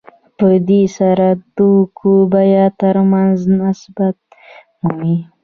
په دې سره د توکو د بیې ترمنځ نسبت مومي